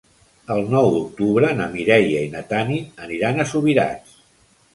El nou d'octubre na Mireia i na Tanit aniran a Subirats.